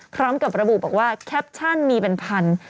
พร้อมกับระบุบอกว่าแคปชั่นมีเป็นพัน